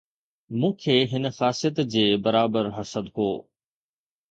مون کي هن خاصيت جي برابر حسد هو